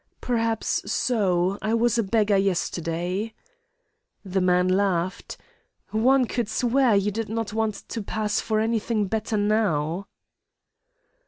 "'Perhaps so. I was a beggar yesterday.' "The man laughed. 'One could swear you did not want to pass for any thing better now.